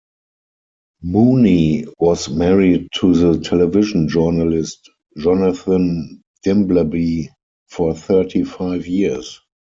Mooney was married to the television journalist Jonathan Dimbleby for thirty-five years.